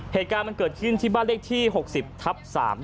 เหตุการณ์มันเกิดขึ้นที่บ้านเลขที่๖๐ทับ๓